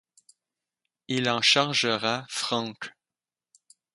Il en chargera Frank.